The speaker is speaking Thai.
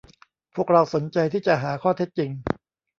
พวกเราสนใจที่จะหาข้อเท็จจริง